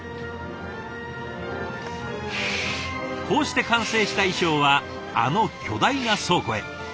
こうして完成した衣裳はあの巨大な倉庫へ。